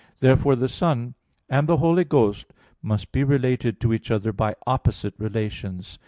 Therefore the Son and the Holy Ghost must be related to each other by opposite relations.